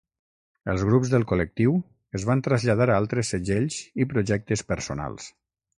Els grups del col·lectiu es van traslladar a altres segells i projectes personals.